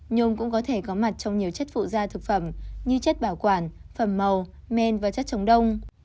nhôm cũng có thể có mặt trong nhiều chất phụ da thực phẩm như chất bảo quản phẩm màu men và chất trống đông